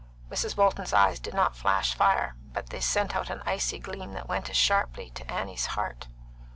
Mrs. Bolton's eyes did not flash fire, but they sent out an icy gleam that went as sharply to Annie's heart.